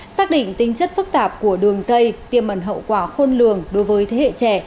xác định tính chất phức tạp của đường dây tiêm mẩn hậu quả khôn lường đối với thế hệ trẻ